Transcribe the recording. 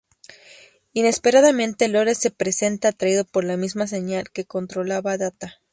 Inesperadamente, Lore se presenta, atraído por la misma señal que controlaba a Data.